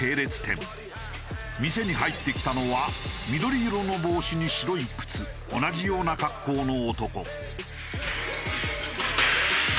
店に入ってきたのは緑色の帽子に白い靴同じような格好の男。